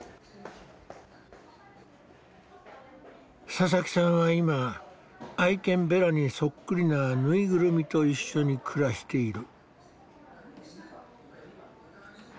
佐々木さんは今愛犬ベラにそっくりなぬいぐるみと一緒に暮らしている。